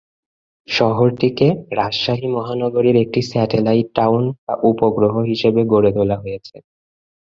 শহরটিকে রাজশাহী মহানগরীর একটি satellite town বা উপগ্রহ শহর হিসেবে গড়ে তোলা হয়েছে।